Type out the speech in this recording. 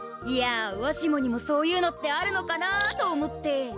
いやわしもにもそういうのってあるのかなと思って。